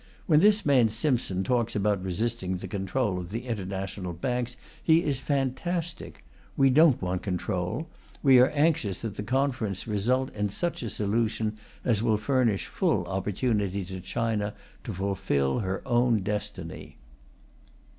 When this man Simpson talks about resisting the control of the international banks he is fantastic. We don't want control. We are anxious that the Conference result in such a solution as will furnish full opportunity to China to fulfil her own destiny."